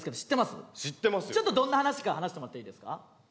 ちょっとどんな話か話してもらっていいですか？